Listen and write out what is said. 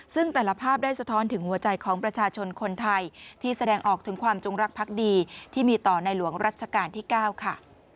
ซึ่งแต่ละภาพได้สะท้อนถึงหัวใจของประชาชนคนไทยที่แสดงออกถึงความจงรักพักดีที่มีต่อในหลวงรัชกาลที่๙ค่ะ